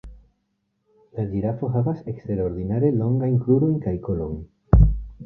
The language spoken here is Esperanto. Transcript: La ĝirafo havas eksterordinare longajn krurojn kaj kolon.